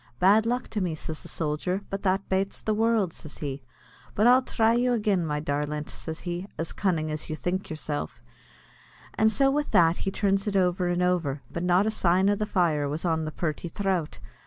"Bad luck to me," says the sojer, "but that bates the world," says he; "but I'll thry you agin, my darlint," says he, "as cunnin' as you think yourself;" and so with that he turns it over and over, but not a sign of the fire was on the purty throut.